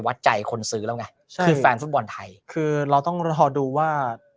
วัดใจคนซื้อแล้วไงใช่คือแฟนฟุตบอลไทยคือเราต้องรอดูว่า